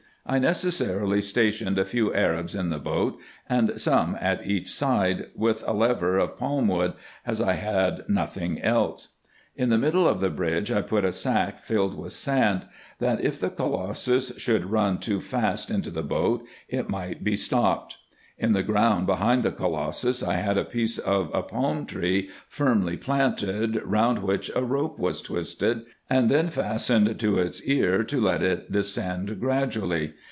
I necessarily stationed a few Arabs in the boat, and some at each side, with a lever of palm wood, as I had nothing else. At the middle of the bridge I put a sack filled with sand, that, if the colossus should run too fast into the boat, it might be stopped. In the ground behind the colossus I had a piece of a palm tree firmly planted, round which a rope was twisted, and then fastened to its car, to let it descend gradually.